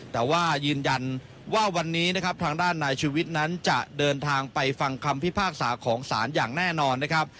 แต่ว่ายืนยันว่าวันนี้นะครับทางด้านนายชุวิตนั้นจะเดินทางไปฟังคำพิพากษาของศาลอย่างแน่นอนนะครับ